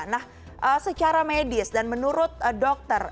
nah secara medis dan menurut dokter